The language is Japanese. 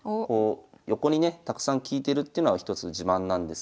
横にねたくさん利いてるっていうのは一つの自慢なんですが。